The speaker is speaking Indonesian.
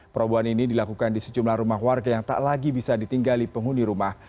perobohan ini dilakukan di sejumlah rumah warga yang tak lagi bisa ditinggali penghuni rumah